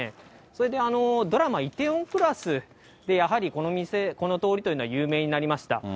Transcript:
それでドラマ、梨泰院クラスで、やはりこの店、この通りというのは有名になりました。